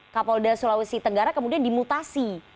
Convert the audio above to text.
kapolda sulawesi tenggara kemudian dimutasi